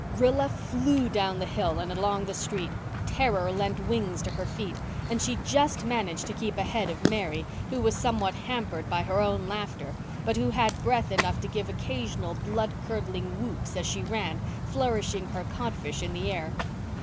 Rilla flew down the hill and along the street. Terror lent wings to her feet, and she just managed to keep ahead of Mary, who was somewhat hampered by her own laughter, but who had breath enough to give occasional blood curdling whoops as she ran, flourishing her codfish in the air.